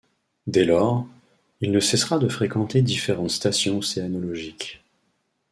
Dès lors, il ne cessera de fréquenter différentes stations océanologiques.